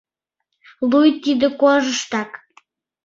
Луй тиде кожыштак...